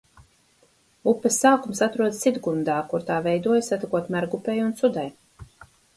Upes sākums atrodas Sidgundā, kur tā veidojas, satekot Mergupei un Sudai.